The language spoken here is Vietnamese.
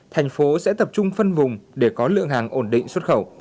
thành phố sẽ tập trung phân vùng để có lượng hàng ổn định xuất khẩu